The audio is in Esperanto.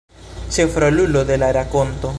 Ĉefrolulo de la rakonto.